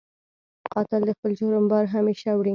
قاتل د خپل جرم بار همېشه وړي